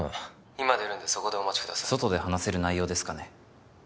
今出るんでそこでお待ちください外で話せる内容ですかね？